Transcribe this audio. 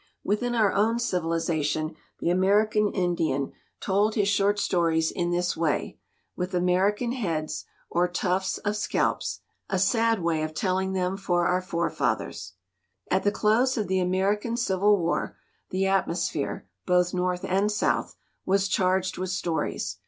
Within our own civilization the American Indian told his short stories in this way with American heads or tufts of scalps a sad way of telling them for our fore fathers. "At the close of the American Civil War the atmosphere, both North and South, was charged with stories.